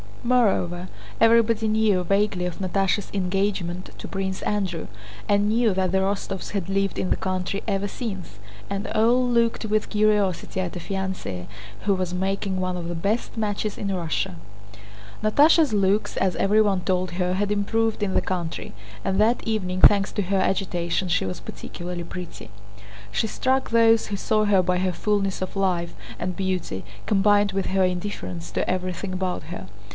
Moreover, everybody knew vaguely of Natásha's engagement to Prince Andrew, and knew that the Rostóvs had lived in the country ever since, and all looked with curiosity at a fiancée who was making one of the best matches in Russia. Natásha's looks, as everyone told her, had improved in the country, and that evening thanks to her agitation she was particularly pretty. She struck those who saw her by her fullness of life and beauty, combined with her indifference to everything about her.